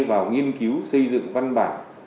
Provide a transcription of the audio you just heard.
vào nghiên cứu xây dựng văn bản